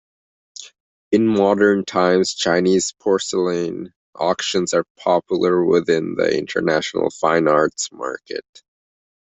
In modern times, Chinese porcelain auctions are popular within the international fine arts market.